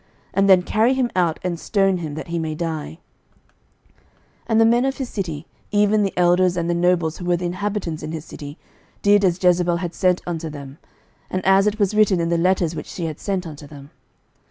And then carry him out, and stone him, that he may die. 11:021:011 And the men of his city, even the elders and the nobles who were the inhabitants in his city, did as Jezebel had sent unto them, and as it was written in the letters which she had sent unto them.